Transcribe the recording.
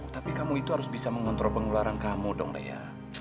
tapi kamu itu harus bisa mengontrol pengeluaran kamu dong ya